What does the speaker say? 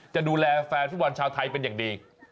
จะดูแลแฟนฟุตบอลชาวไทยเป็นอย่างดี